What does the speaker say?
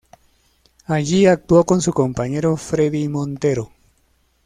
Allí actuó con su compañero Freddy Montero.